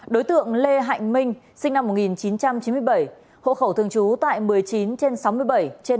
đối tượng lê hạnh minh sinh năm một nghìn chín trăm chín mươi bảy hộ khẩu thường trú tại một mươi chín trên sáu mươi bảy trên